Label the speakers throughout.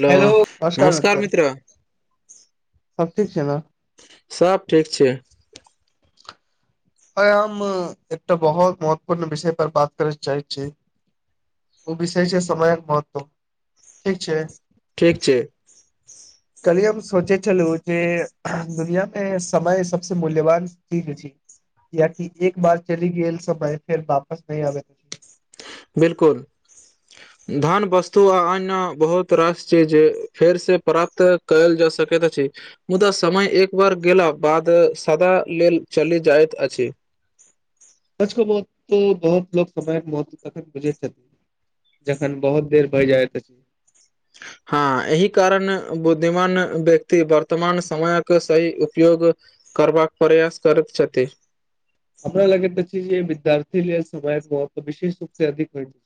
Speaker 1: Hello नमस्कार मितरअ
Speaker 2: सब ठीक छै ने
Speaker 1: सब ठीक छीये
Speaker 2: आ हम एकटा बहुत महत्वपूर्ण विषय पर बात करे चाहै छी ओ विषय छै समयक महत्व ठीक छै
Speaker 1: ठीक छै
Speaker 2: कलिये हम सोचे छलू जे दुनिया मे समय सबसे मूल्यवान चीज अछि कियेकि एक बार चलि गेल समय फेर वापस नहि आबे छै
Speaker 1: बिल्कुल धान वस्तु आ अन्य बहुत रास छै जे फेर से प्राप्त कयल जा सकैत अछि मुदा समय एक बार गेला बाद सदा लेल चलि जाइत अछि
Speaker 2: सच बहुत बहुत लोक समय के महत्व तखन बुझैत छथिन जखन बहुत देर भय जाय त अछि
Speaker 1: हँ एहि कारण बुद्धिमान व्यक्ति वर्तमान समयक सही उपयोग करबाक प्रयास करैत छथि
Speaker 2: अपना लग एकटा चीज ये विद्यार्थी लेल समय बहुत विशेष रूप से अधिक भेटतय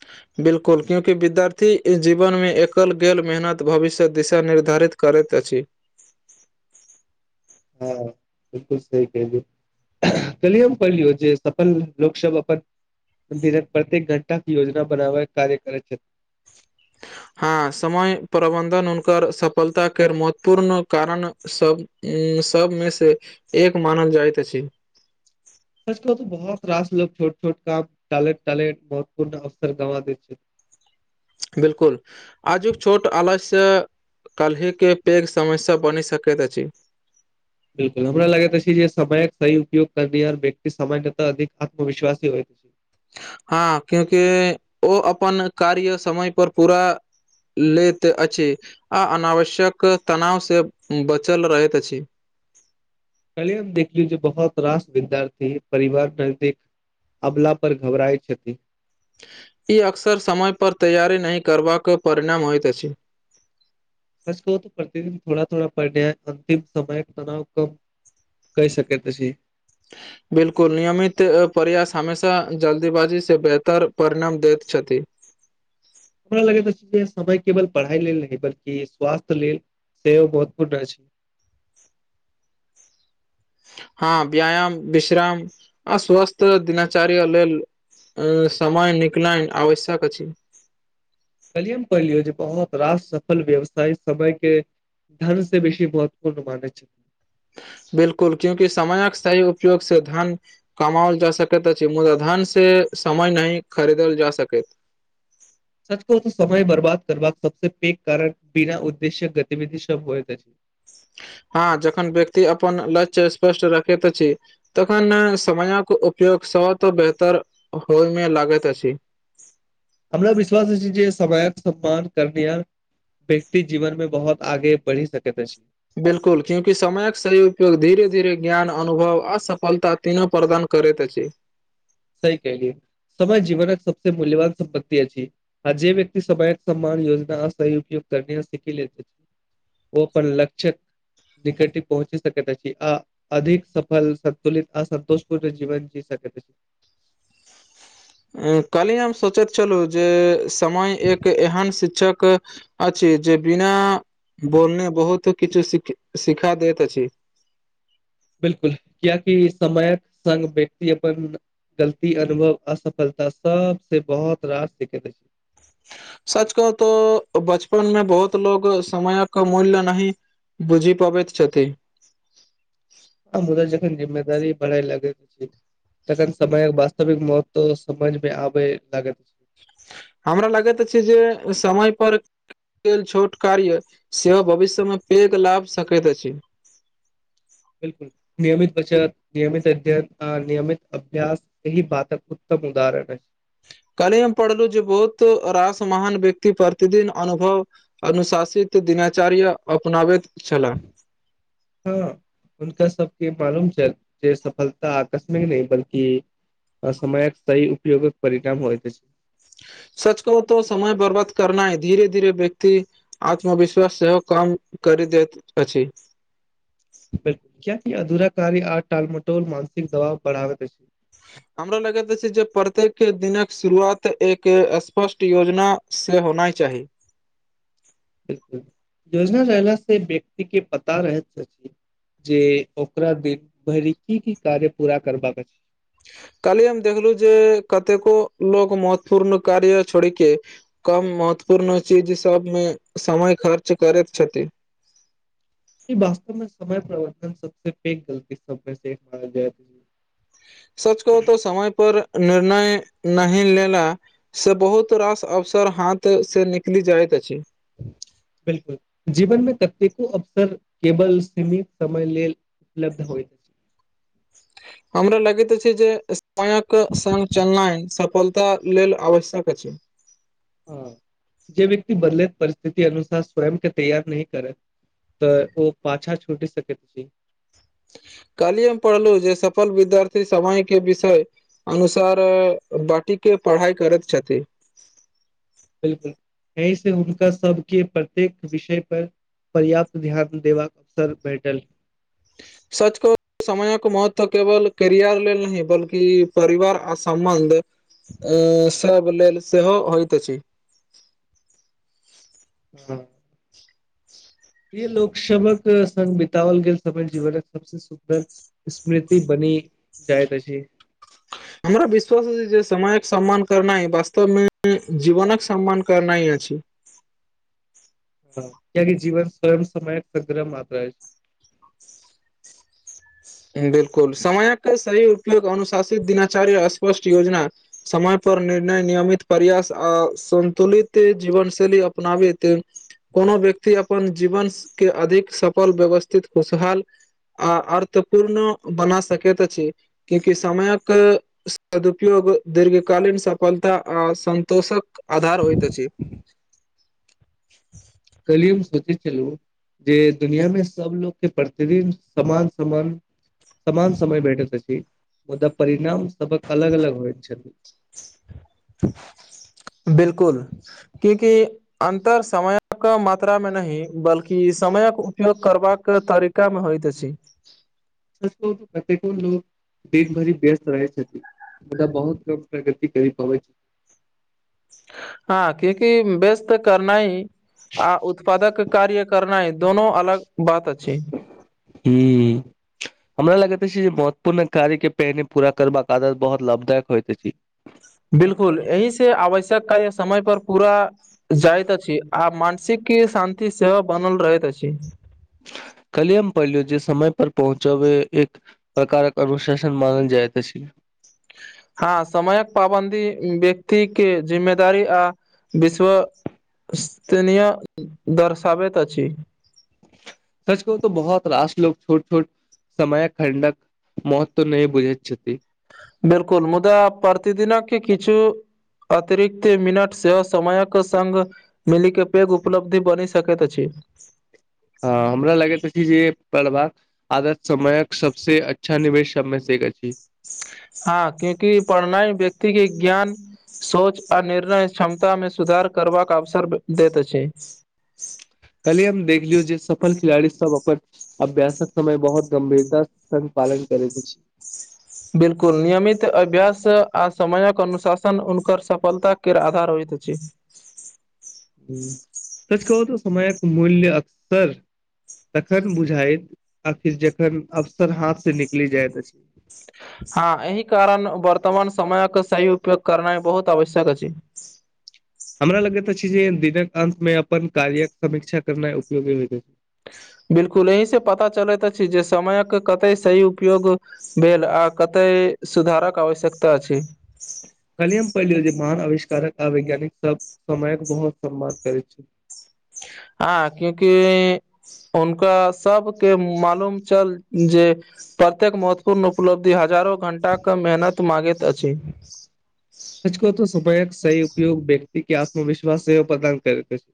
Speaker 1: [inaudible] बिल्कुल क्योकि विद्यार्थी जीवन मे एकल गेल मेहनत भविष्य दिशा निर्धारित करैत अछि
Speaker 2: हँ बिल्कुल सही केलु कलियो हम कहलियौ जे सफल लोक सब अपन दिनक प्रत्येक घंटा के योजना बनाबै कार्य करैत छथि
Speaker 1: हँ समय प्रबन्धन हुनकर सफलताक के महत्वपूर्ण कारण सब उम्म सबमे से एक मानल जाइत अछि
Speaker 2: सच कहू त बहुत रास लोक छोट छोट काम टालेत टालेत महत्वपूर्ण अवसर गवा देै छै
Speaker 1: बिल्कुल आजुक छोट आलस्य काल्हि के पैघ समस्या बनि सकैत अछि
Speaker 2: बिल्कुल हमरा लगैत छै जे समयक सही उपयग करनिहार व्यक्ति समय त अधिक आत्मविश्वास ही होय
Speaker 1: हँ क्योंकि ओ अपन कार्य समय पर पूरा लैत अछि आ अनावश्यक तनाव सँ बचल रहैत अछि
Speaker 2: कल हम देख लियौ जे बहुत रास विद्यार्थी परिवार से नजदीक अबला पर घबराय छथिन
Speaker 1: ई अक्सर समयपर तैयारी नहि करबाक परिणाम होइत अछि
Speaker 2: सच कहू त प्रतिदिन थोड़ा थोड़ा पढ़नियाय अन्तिम समय तनाव कम कहि सकैत अछि
Speaker 1: बिल्कुल नियमित प्रयास हमेशा जल्दीबाजी से बेहतर परिणाम दैत छथि
Speaker 2: हमरा लगैत अछि के समय केवल पढ़ाई लेल नहि बल्कि स्वास्थ्य लेल सेहो महत्वपूर्ण अछि
Speaker 1: हँ व्यायाम विश्राम अ स्वस्थ दिनचार्य लेल समय निकलइ आवश्यक अछि
Speaker 2: कल्हि हम पढ़लियौ बहुत रास सफल व्यवसायी समय के धन से बेसी महत्वपूर्ण मानै छै
Speaker 1: बिलकुल क्यूकि समयक सही उपयोग से धन कमाओल जा सकैत अछि मुदा धन से समय नहीं खरीदल जा सकैत
Speaker 2: सच कहू तऽ समय बर्बाद करबाक सबस पैघ कारण बिना उद्देश्यक गतिविधि सब होयत अछि
Speaker 1: हँ जखन व्यक्ति अपन लक्ष्य स्पष्ट रखैत अछि तखन समयक उपयोग सब तऽ बेहतर होइ मे लागैत अछि
Speaker 2: हमरा विश्वास अछि जे समयक सम्मान करनिहार व्यक्ति जीवन में बहुत आगे बढ़ी सकैत अछि
Speaker 1: बिलकुल क्यूकि समयक सही उपयोग धीरे धीरे ज्ञान अनुभव अ सफलता तीनो प्रदान करैत अछि
Speaker 2: सही कल्हियै समय जीवन सबस मूल्यवान सम्पत्ति अछि आ जे व्यकि समयक सम्मान योजना सही उपयोग कर नाइ सीखी लेत अछि ओ अपन लक्ष्यक निकट पहुँची सकैत अछि आ अधिक सफल सन्तुलित अ सन्तोष पूर्ण जीवन जी सकैत अछि
Speaker 1: काल्हि हम सोचैत छलहुँ जे समय एक एहन शिक्षक अछि जे बिना बोलने बहुतो किछु शिखा दैत अछि
Speaker 2: बिलकुल कियाकि समयक संग व्यक्ति अपन गलती अनुभव असफलता सबसे बहुत रास सिखैत अछि
Speaker 1: सच कहु तो बचपन मे बहुत लोग समयक मूल्य नहि बुझि पबैत छथि
Speaker 2: मुद्दा जखन जिम्मेदारी बढ़ा लगैत अछि तखन समयक वास्तविक महोत तऽ समझ मे आबे लागत अछि
Speaker 1: हमरा लागैत अछि जे समय पर लेल छोट कार्य सेहो भविष्यमे पैघ लाभ सकैत अछि
Speaker 2: बिलकुल नियमित बचत नियमित अध्ययन अ नियमित अभ्यस ऐही बातक उत्तम उदाहरण अछि
Speaker 1: कल्हि हम पढ़लहु जे बहुत रास महान व्यक्ति प्रतिदिन अनुभव अनुशासित दिनाचार्य अपनाबैत छलाह
Speaker 2: हँ हुनका सबके मालूम छैल जे सफलता आकस्मिक नहि बल्कि आ समयक सही उपयोगक परिणाम होइत अछि
Speaker 1: सच कहु तो समय बर्बाद करनाए धीरे धीरे व्यक्ति आत्मविश्वास सेहो काम करि देैत अछि
Speaker 2: [unintelligible] कियाकि अधूरा कार्य आ टालमटोल मानसिक दबाव बढ़ावैत अछि
Speaker 1: [inaudible] हमरा लगैत अछि जे प्रत्येक दिनक शुरुआत एक स्पष्ट योजना से होनाय चाही
Speaker 2: बिलकु योजना रहलास से व्यक्ति के पता रहैत अछि जे ओकरा दिन भरिकी की कार्य पूरा करबाका अछि
Speaker 1: काल्हि हम देखलहु जे कतेको लोक महत्वपूर्ण कार्य छोड़ि के कम महत्वपूर्ण चीज सबमे समय खर्च करैत छथि
Speaker 2: ई वास्तव मे समय परिवर्तन सबसे पैघ गलती सब मे से एक मानल अछि
Speaker 1: सच कहु तो समय पर निर्णय नहि लेना से बहुत रास अवसर हाथ से निकलि जाइत अछि
Speaker 2: बिलकुल जीवनमे कतेको अवसर केवल सीमित समय लेल। उलब्ध होइत अछि
Speaker 1: हमरा लगित अछि जे सयक संग चलना सफल। त लेल आवश्यक अछि।
Speaker 2: हँ जे व्यक्ति बदलैत परिस्थिति अनुसार स्वयं के तैयार नैह करैत। तऽ ओ पाछा छूटि सकैत छै।
Speaker 1: कार्बी हम पढ़लु जे सफल विद्यार्थी समय के विषय। अनुसार बाटी के पढ़ाई करैत छथि।
Speaker 2: बिलकुल एहि से हुनका सबके प्रत्येक विषय पर। पर्याप्त ध्यान देबाक अवसर भेटल।
Speaker 1: सच कहु समयक महत्व केवल करियर लेल नहि बल्कि परिवार आ सम्बन्ध। अ सब लेल सेहो होइत अछि
Speaker 2: हॅं प्रिय लोक सभक संग बितओल गेल समय जीवनक सबसे सुन्दर। स्मृति बनी जाइत अछि
Speaker 1: हमरा विश्वास अछि जे समयक सम्मान करनै वास्तव मे जीवनक के सम्मान करनै अछि।
Speaker 2: ह कियक जीवन स्वयं समयक सग्रम मात छै।
Speaker 1: बिलकुल समयक सही उपयोग अनुशासित दिनाचार्य स्पष्ट योजना। समय पर निर्णय नियमित प्रयास आ सन्तुलित जीवनशैली अपनाबैत। कोनो व्यक्ति अपन जीवन के अधिक सफल व्यवस्थित खुशहाल। आ अर्थपूर्ण बना सकैत अछि क्यूकि समयक सदपयोग दीर्घ कालीन सफलता आ संन्तोषक आधार होइत अछि
Speaker 2: कलिय हम सोचै छलु जे दुनिया में सबलोग के प्रतिदिन समान समान। समान समय भेटैत अछि मुदा परिणाम सबक अलग-अलग होइत छल।
Speaker 1: बिलकुल क्याकि। अन्तर समयक मात्रा मे नहि बल्कि समयक उपयोग करबाक तरी का मे होइत अछि
Speaker 2: सच कहु तऽ कतेको लोक देभरि व्यस्त रहै छथि मुदा बहुत कम प्रगति करि पाबै छै
Speaker 1: हँ कियाकि व्यस्त करनै आ उत्पादक कार्य करनै दोनो अलग बात अछि
Speaker 2: हुॅं हमरा लगैत अछि जे महत्वपूर्ण कार्य के पहिने पूरा करबाक आदत बहुत लाभदायक होइत अछि
Speaker 1: बिलकुल अहि से आवश्यक कार्य समय पर पूरा जाइत अछि आ मानसिक शान्ति सेहो बनल रहैत अछि
Speaker 2: कली हम परलौ जे समय पर पहुँचाबै ए प्रकारक अनुशासन मानल जाइत अछि
Speaker 1: हँ समयक पाबन्दी व्यक्ति के जिम्मेदारी आ विश्व -स्तनीय दर्शाबैत अछि
Speaker 2: सच कहु तो बहुत रास लो छोट छोट समय खंडक मत्व नै बुझैत छथि
Speaker 1: बिलकुल मुदा प्रति दिनक कि किछु अतिरिक्त मिनटसँ सेहो समयक संग मिली के पैघ उपलब्धि बनी सकैत अछि
Speaker 2: हँ हमरा लगैत अछि जे पढ़बाक आदत समयक सबसे अच्छा निवेश सब मे से एक अछि
Speaker 1: हँ क्यूंकि पढ़नाइ व्यक्ति के ज्ञान सोच आ निर्णय क्षमता मे सुधार करबाक अवसर दैत अछि
Speaker 2: कल्हि हम देखलियौ जे सफल खिलाड़ी सब अपन अभ्यासक समय बहुत गंभीरता संग पालन करैत अछि
Speaker 1: बिलकुल नियमित अभ्यास आ समयक अनुशासन उनकर सफलताके आधार होइत अछि
Speaker 2: हू सच कहू त समयक मूल्य अक्सर तखन बुझायइत आखिर जखन अवसर हाथ से निकलि जाइत अछि
Speaker 1: हँ एहि कारण बर्तमान समयक सही उपयोग करना बहुत आवश्यक अछि
Speaker 2: हमरा लगैत अछि जे दिनक अंत मे अपन कार्यक समीक्षा करनाइ उपयोगी होइत अछि
Speaker 1: बिलकुल एहि से पता चलैत अछि जे समयक कते सही उपयोग भेले आ कते सुधारक आवश्यकता अछि
Speaker 2: कल्हि हम पहिलियं जे महान अविष्कारक आ वैज्ञानिक सब समयक बहुत सम्माना करैत छली
Speaker 1: हँ क्यूकि हुनका सबके मालूम चल जे प्रत्येक महत्वपूर्ण उपलब्धि हजारो घंटाके मेहनत माँगैत अछि
Speaker 2: सच कहू तऽ समयक सही उपयोग व्यक्ति के आत्मविश्वास सेहो प्रदान करैत अछि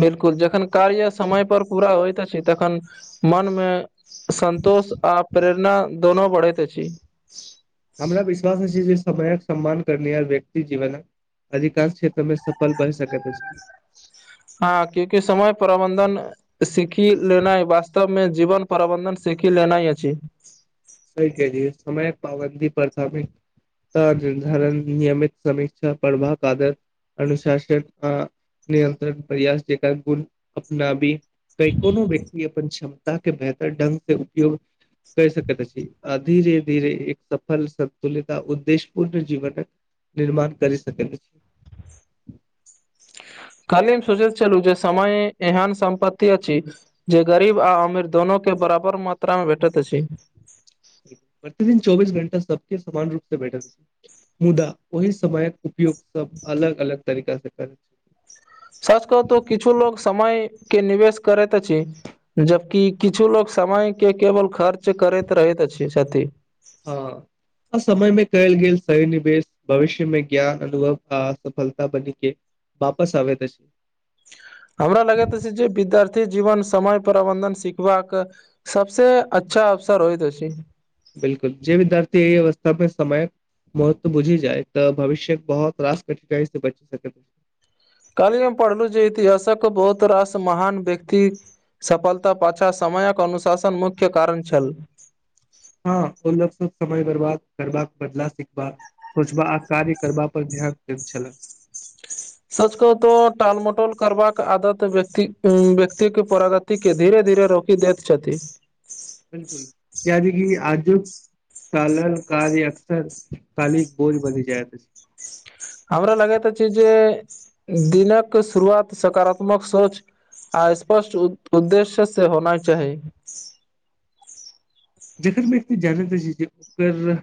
Speaker 1: बिलकुल जखन कार्य समय पर पूरा होइत अछि तखन मन मे संन्तोष आ प्रेरणा दोनो बढ़ेते अछि
Speaker 2: हमरा विश्वास अछि जे समयक सम्मान करनीहार व्यक्ति जीवनक अधिकंश क्षेत्र में सफल बन सकैत अछि
Speaker 1: हँ क्यूकि समय प्रबंधन सीखि लेनाइ वास्तव मे जीवन प्रबन्धन सीखि लेनाइ अछि
Speaker 2: सही कल्हिए समय पाबंदी परथमी ता निर्धारण नियमित समीक्षा प्रभाव आदर अनुशासन आ नियन्त्रण प्रयास जेकाँ गुण अपनाबी तै कोनो व्यक्ति अपन क्षमता के बेहतर ढंग से उपयोग कय सकै त अछि अ धीरे धीरे एक सफल सन्तुलित उद्देश पूर्ण जीवनक निर्माण करी सकैत अछि
Speaker 1: काल्हि हम सोचैत छेलु जे समय एहन सम्पति अछि जे गरीब आ अमीर दोनो के बराबर मात्रा मे भेटैत अछि
Speaker 2: प्रतिदिन चौबीस घंटा सबके समान रूप सऽ भेटत मुद्दा ओहि समयक उपयोग सब अलग अलग तरीका स करे
Speaker 1: सच कहु तो किछु लोग समय के निवेश करैत अछि जबकि किछु लोग समय के केवल खर्च करैत रहैत अछि छथि
Speaker 2: हँ समय मे कयल गेल सही निवेश भविष्यमे ज्ञान अनुभव आ सफलता बनि के वापस आबैत अछि
Speaker 1: हमरा लगैत अछि जे विद्यार्थी जीवन समय प्रबन्धन सिखबाक सबसे अच्छा अवसर होइत अछि
Speaker 2: बिल्कुल जे विद्यार्थी एहि अवस्था मे समय महत्व बुझी जाय तऽ भविष्य बहुत रास कठिनाइ से बची सकैत अछि
Speaker 1: काल्हि हम पढ़लु जे इतिहासक बहुत रास महान व्यक्ति सफलता पाछा समयक अनुशासन मुख्य कारण छल
Speaker 2: हँ ओ लोक सब समय बरबाद करबाक बदला सिखबाक खोचबा आ कार्य करबा पर ध्यान दैत छलए
Speaker 1: सच कहु तो टालमटोल करबाक आदत व्यक्ति उ व्यक्ति के प्रगत ती के धीरे धीरे रोकि दैत छथि
Speaker 2: बिल्कुल यादि कि आजु काल्हन कार्य अकसर काली बोझ बनी जैत अछि
Speaker 1: हमरा लगैत अछि जे दिनक शुरुआत सकारात्मक सोच आ स्पष्ट उ उद्देश्य से होनाइ चाही
Speaker 2: जेखन व्यक्ति जनैत अछी जे ओकर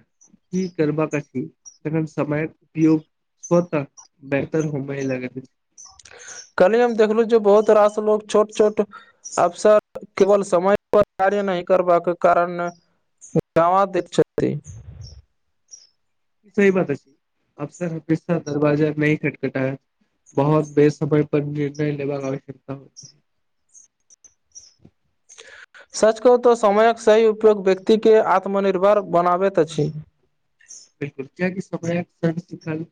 Speaker 2: की करबाक अछि तखन समयक उपयोग कऽ क बेतर होबइ लगैत अछि [unintelligible]
Speaker 1: कल्हि हम देखलु जे बहुत रास लोग छोट छोट अवसर केवल समय पर कार्य नहि करबाक कारण [unintelligible] दै छथि
Speaker 2: सही बात अछी अवसर हमेशा दरवाजा नहि खटखटाया बहुत बे समय पर निर्णय लेबाक आवश्यकता होत
Speaker 1: सच कहू तोऽ समयक सही उपयोग व्यक्ति के आत्मनिर्भर बनाबैत अछि
Speaker 2: बिल्कुल कियाकि समयक शब्द सिखल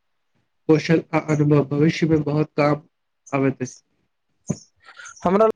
Speaker 2: कौशल आ अनुभव भविष्य मे बहुत काम आबैत अछि
Speaker 1: हमरा